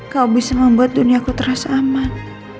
kau bisa membuat dunia ku terasa aman